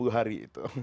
dua puluh hari itu